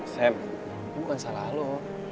sam bukan salah lo